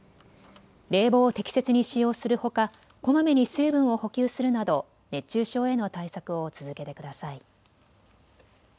冷房を適切に使用するほかこまめに水分を補給するなど熱中症への対策を続けてください。